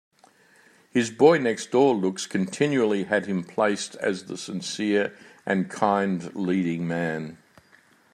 His boy-next-door looks continually had him placed as the sincere and kind leading man.